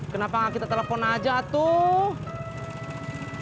kenapa kita telepon aja tuh